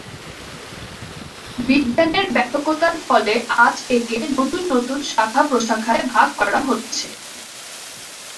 বিজ্ঞানের ব্যাপকতার ফলে আজ একে নতুন নতুন শাখা প্রশাখায় ভাগ করা হচ্ছে।